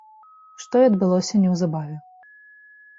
Што і адбылося неўзабаве.